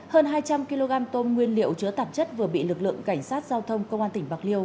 hơn hai trăm linh kg tôm nguyên liệu chứa tạp chất vừa bị lực lượng cảnh sát giao thông công an tỉnh bạc liêu